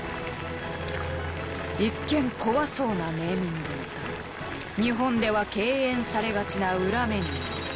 一見怖そうなネーミングのため日本では敬遠されがちなウラメニュー。